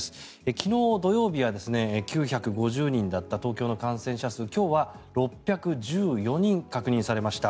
昨日、土曜日は９５０人だった東京の感染者数今日は６１４人確認されました。